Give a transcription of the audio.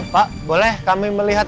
pak boleh kami melihat